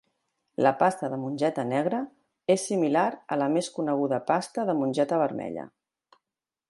La pasta de mongeta negra és similar a la més coneguda pasta de mongeta vermella.